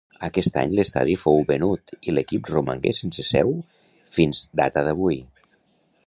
Aquest any, l'estadi fou venut i l'equip romangué sense seu fins data d'avui.